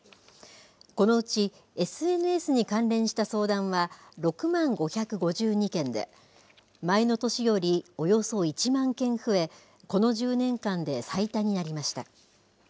このうちＳＮＳに関連した相談は６万５５２件で、前の年よりおよそ１万件増え、この１０年間で最多になりました。